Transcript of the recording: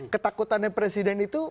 ketakutannya presiden itu